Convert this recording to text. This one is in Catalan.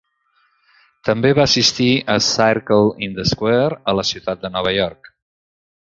També va assistir a Circle in the Square a la ciutat de Nova York.